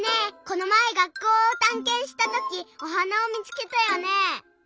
このまえ学校をたんけんしたときおはなをみつけたよねえ。